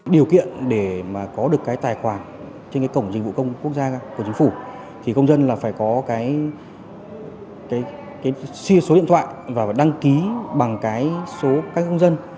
điều kiện để có được tài khoản trên cổng dịch vụ công quốc gia của chính phủ công dân phải có số điện thoại và đăng ký bằng số các công dân